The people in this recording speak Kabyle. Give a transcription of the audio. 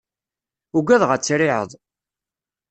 Ugadeɣ ad triεeḍ.